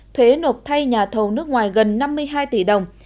thuế nộp thay nhà thầu nước ngoài gần năm mươi hai tỷ đồng